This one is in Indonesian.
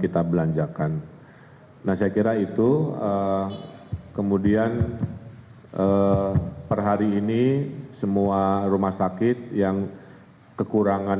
kita belanjakan nah saya kira itu kemudian per hari ini semua rumah sakit yang kekurangan